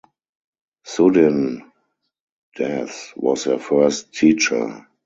Sudhin Das was her first teacher.